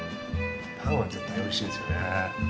パンは絶対おいしいですよね。